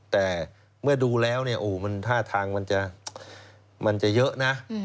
แต่เมื่อดูแล้วท่าทางมันจะเยอะนะ